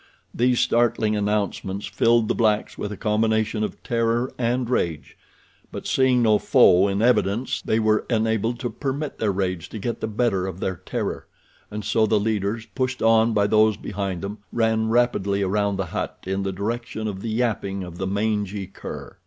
These startling announcements filled the blacks with a combination of terror and rage; but, seeing no foe in evidence they were enabled to permit their rage to get the better of their terror, and so the leaders, pushed on by those behind them, ran rapidly around the hut in the direction of the yapping of the mangy cur.